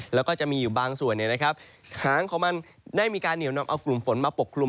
แล้วก็จะมีอยู่บางส่วนหางของมันได้มีการเหนียวนำเอากลุ่มฝนมาปกคลุม